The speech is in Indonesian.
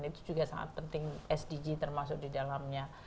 itu juga sangat penting sdg termasuk di dalamnya